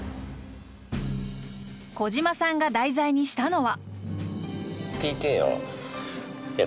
小島さんが題材にしたのは。